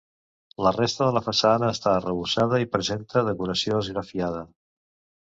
La resta de la façana està arrebossada i presenta decoració esgrafiada.